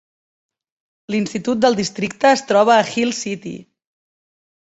L"institut del districte es troba a Hill City.